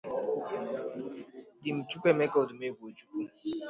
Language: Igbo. Dim Chukwuemeka Ọdụmegwu Ojukwu